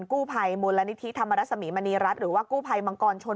กู้ภัยมูลนิธิธรรมรสมีมณีรัฐหรือว่ากู้ภัยมังกรชน